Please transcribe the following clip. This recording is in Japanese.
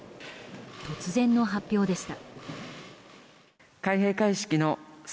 突然の発表でした。